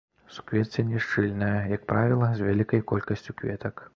Суквецце няшчыльнае, як правіла, з вялікай колькасцю кветак.